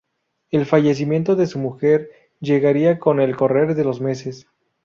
El fallecimiento de su mujer, llegaría con el correr de los meses.